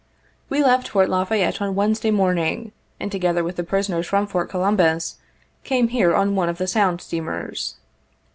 We left Fort La Fayette on Wednesday morning, and together with the prisoners from Fort Columbus, came here on one of the Sound steamers.